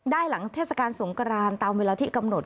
หลังเทศกาลสงกรานตามเวลาที่กำหนด